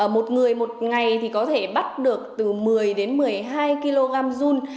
một người một ngày thì có thể bắt được từ một mươi đến một mươi hai kg dùn